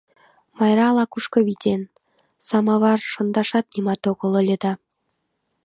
Майра ала-кушко витен, сымавар шындашат нимат огыл ыле да...